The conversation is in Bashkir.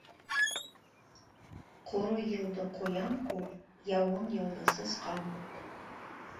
Ҡоро йылды ҡуян күп, яуын йылды сысҡан күп.